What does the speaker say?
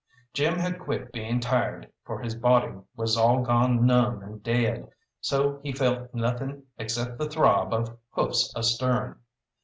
Jim had quit being tired, for his body was all gone numb and dead, so he felt nothing except the throb of hoofs astern.